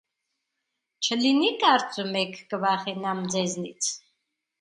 Չլինի՞ կարծում եք կվախենամ ձեզնից: